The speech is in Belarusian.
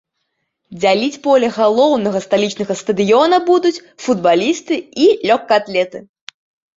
Дзяліць поле галоўнага сталічнага стадыёна будуць футбалісты і лёгкаатлеты.